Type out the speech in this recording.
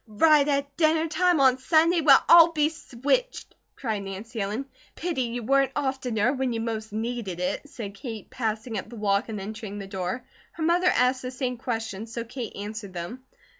"Right at dinner time on Sunday? Well, I'll be switched!" cried Nancy Ellen. "Pity you weren't oftener, when you most needed it," said Kate, passing up the walk and entering the door. Her mother asked the same questions so Kate answered them.